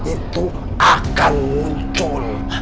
itu akan muncul